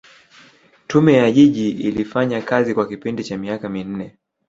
Tume ya Jiji ilifanya kazi kwa kipindi cha miaka minne